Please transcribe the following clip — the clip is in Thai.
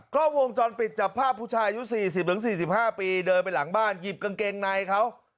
ก็วงจรปิดจับภาพผู้ชายอายุ๔๐๔๕ปีเดินไปหลังบ้านหยิบกางเกงในเขา